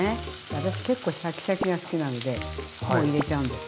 私結構シャキシャキが好きなんでもう入れちゃうんです。